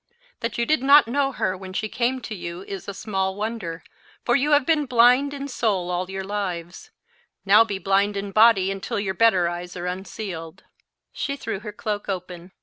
That you did not know her when she came to you is a small wonder, for you have been blind in soul all your lives: now be blind in body until your better eyes are unsealed." She threw her cloak open.